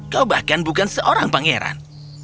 kau bahkan bukan seorang pangeran